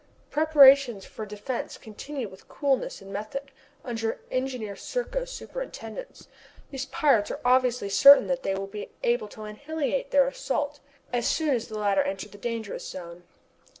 Preparations for defence continue with coolness and method under Engineer Serko's superintendence. These pirates are obviously certain that they will be able to annihilate their assailants as soon as the latter enter the dangerous zone.